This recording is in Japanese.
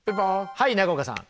はい中岡さん。